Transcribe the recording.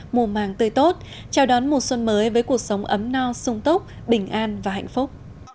mùa màng tươi tốt chào đón mùa xuân mới với cuộc sống ấm no sung túc bình an và hạnh phúc